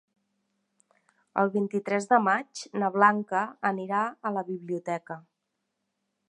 El vint-i-tres de maig na Blanca anirà a la biblioteca.